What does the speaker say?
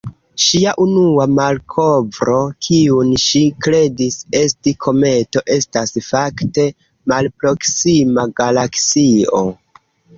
Ŝia unua malkovro, kiun ŝi kredis esti kometo, estas fakte malproksima galaksio.